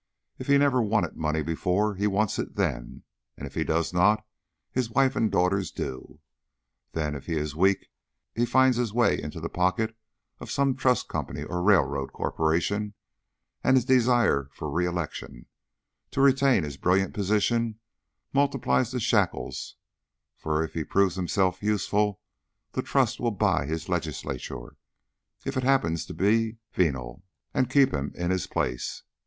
If he never wanted money before, he wants it then, and if he does not, his wife and daughters do. Then, if he is weak, he finds his way into the pocket of some Trust Company or Railroad Corporation, and his desire for re election to retain his brilliant position multiplies his shackles; for if he proves himself useful, the Trust will buy his Legislature if it happens to be venal and keep him in his place.